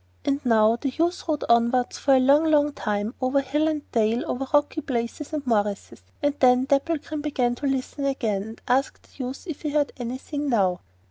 And now the youth rode onwards for a long, long time, over hill and dale, over rocky places and morasses, and then Dapplegrim began to listen again, and asked the youth if he heard anything now.